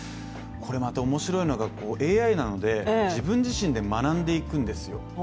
これまたおもしろいのが、ＡＩなので自分自身で学んでいくんですよ。